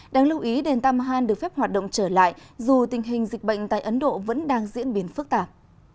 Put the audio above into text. đáng lưu ý đền tam mahan được phép hoạt động trở lại dù tình hình dịch bệnh tại ấn độ vẫn đang diễn biến phức tạp